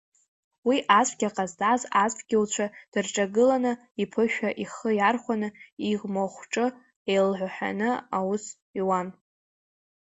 Уи ацәгьа ҟазҵаз ацәгьоуцәа дырҿагыланы, иԥышәа ихы иархәаны имахәҿы еилҳәаны аус иуан.